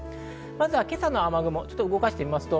まずは今朝の雨雲を動かします。